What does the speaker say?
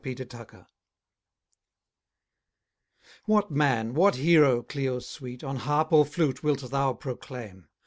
QUEMN VIRUM AUT HEROA. What man, what hero, Clio sweet, On harp or flute wilt thou proclaim?